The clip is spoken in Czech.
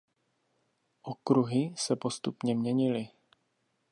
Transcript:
Okruhy se postupně měnily.